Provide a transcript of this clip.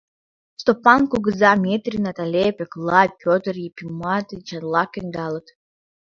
Стопан кугыза, Метрий, Натале, Пӧкла, Пӧтыр Епимымат Эчанлак ӧндалыт.